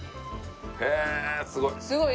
へえすごい！